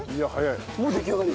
もう出来上がり。